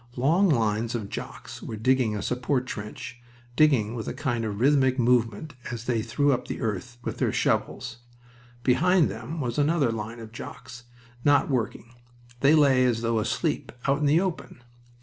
Long lines of Jocks were digging a support trench digging with a kind of rhythmic movement as they threw up the earth with their shovels. Behind them was another line of Jocks, not working. They lay as though asleep, out in the open.